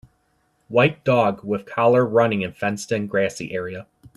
White dog with collar running in fenced in grassy area